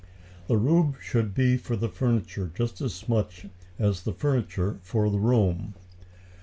The room should be for the furniture just as much as the furniture for the room.